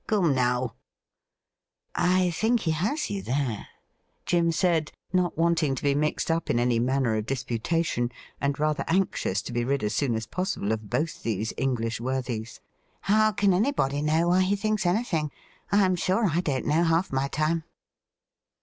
Come, now I' ' I think he has you there,' Jim said, not wanting to be mixed up in any manner of disputation, and rather anxious to be rid as soon as possible of both these English worthies. ' How can anybody know why he thinks any thing ? I am sure I don't know half my time.'